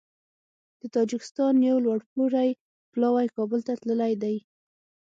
د تاجکستان یو لوړپوړی پلاوی کابل ته تللی دی